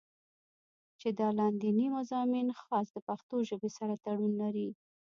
چې دا لانديني مضامين خاص د پښتو ژبې سره تړون لري